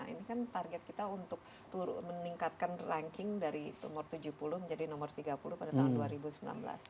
ini kan target kita untuk meningkatkan ranking dari umur tujuh puluh menjadi nomor tiga puluh pada tahun dua ribu sembilan belas